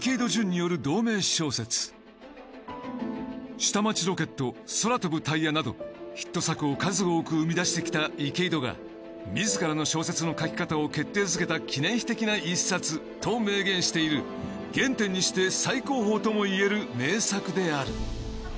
『下町ロケット』『空飛ぶタイヤ』などヒット作を数多く生み出してきた池井戸が「自らの小説の書き方を決定づけた記念碑的な一冊」と明言している原点にして最高峰ともいえる名作である。